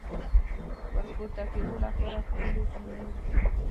ور پورته کېدو لپاره ښکلې زینې وې.